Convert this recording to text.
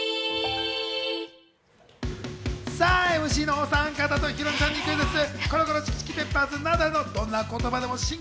ＭＣのお三方とヒロミさんにクイズッス！